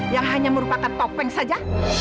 yang hanya merupakan topeng saja